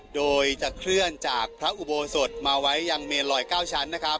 โดยจะเคลื่อนจากอุโบสถมาไว้๑๙๐๐ชั้น